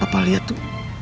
papa liat tuh